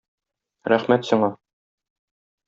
Рәхмәт сиңа.